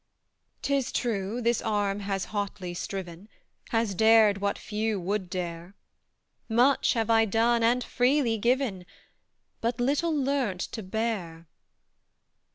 "'Tis true, this arm has hotly striven, Has dared what few would dare; Much have I done, and freely given, But little learnt to bear!